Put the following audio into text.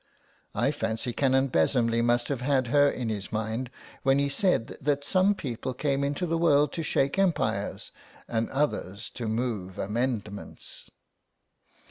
I fancy Canon Besomley must have had her in his mind when he said that some people came into the world to shake empires and others to move amendments."